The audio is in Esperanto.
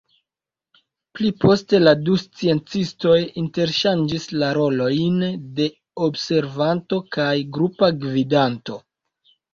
Pli poste la du sciencistoj interŝanĝis la rolojn de observanto kaj grupa gvidanto.